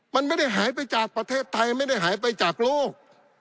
มันไม่ได้หายไปจากประเทศไทยไม่ได้หายไปจากโลก